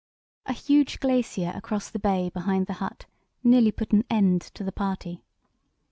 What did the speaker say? A huge glacier across the bay behind the hut nearly put an end to the party.